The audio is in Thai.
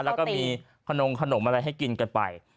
แล้วก็มีขนมขนมอะไรให้กินกันไป